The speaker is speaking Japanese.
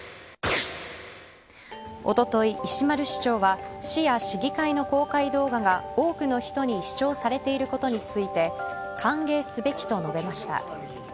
おととい、石丸市長は市や市議会の公開動画が多くの人に視聴されていることについて歓迎すべきと述べました。